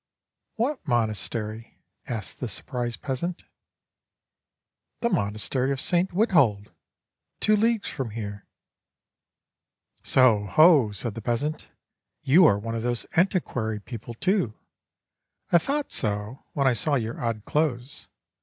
"That monastery?" asked the surprised peasant. "The monastery of St. Withold, two leagues from here " "So, ho," said the peasant, "you are one of those antiquary people, too. I thought so when I saw your odd clothes.